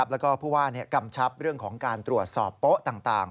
แล้วก็ผู้ว่ากำชับเรื่องของการตรวจสอบโป๊ะต่าง